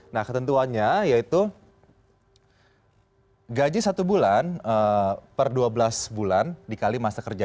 nah ketentuannya yaitu gaji satu bulan per dua belas bulan dikali masa kerja